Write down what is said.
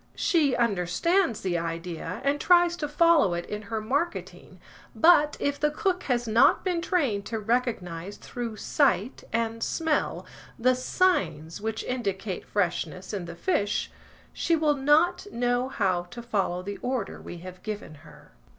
She understands the idea, and tries to follow it in her marketing, but, if the cook has not been trained to recognise through sight and smell the signs which indicate freshness in the fish, she will not know how to follow the order we have given her.